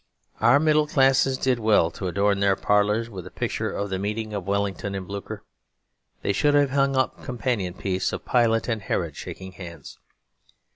Our middle classes did well to adorn their parlours with the picture of the "Meeting of Wellington and Blucher." They should have hung up a companion piece of Pilate and Herod shaking hands.